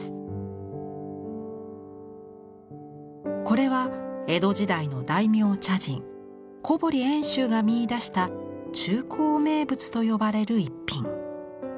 これは江戸時代の大名茶人小堀遠州が見いだした「中興名物」と呼ばれる逸品。